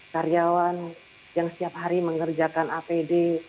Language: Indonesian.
karyawan yang setiap hari mengerjakan apd